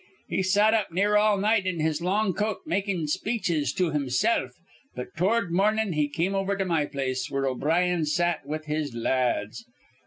He sat up near all night in his long coat, makin' speeches to himsilf; but tord mornin' he come over to my place where O'Brien sat with his la ads.